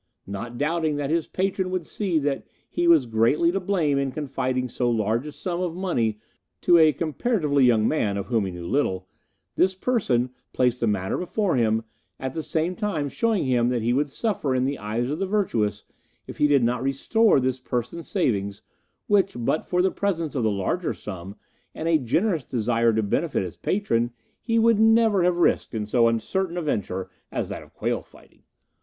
Not doubting that his patron would see that he was himself greatly to blame in confiding so large a sum of money to a comparatively young man of whom he knew little, this person placed the matter before him, at the same time showing him that he would suffer in the eyes of the virtuous if he did not restore this person's savings, which but for the presence of the larger sum, and a generous desire to benefit his patron, he would never have risked in so uncertain a venture as that of quail fighting.